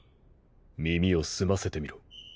耳を澄ませてみろ。